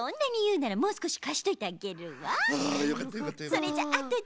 それじゃあとでね。